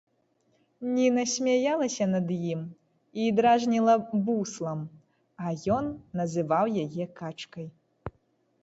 Ніна смяялася над ім і дражніла буслам, а ён называў яе качкай.